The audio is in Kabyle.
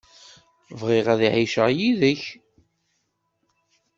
Bɣiɣ ad ɛiceɣ yid-k.